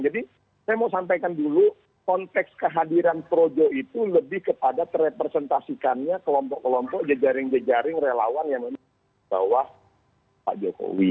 jadi saya mau sampaikan dulu konteks kehadiran projo itu lebih kepada terrepresentasikannya kelompok kelompok jejaring jejaring relawan yang namanya bawah pak jokowi